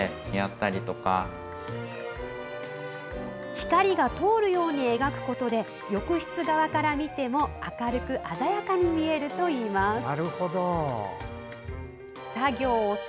光が通るように描くことで浴室側から見ても明るく鮮やかに見えるといいます。